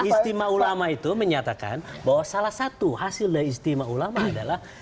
istimewa ulama itu menyatakan bahwa salah satu hasil dari istimewa ulama adalah